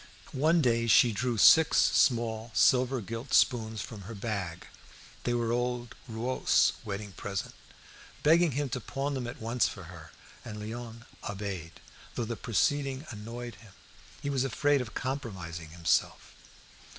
One day she drew six small silver gilt spoons from her bag (they were old Roualt's wedding present), begging him to pawn them at once for her, and Léon obeyed, though the proceeding annoyed him. He was afraid of compromising himself.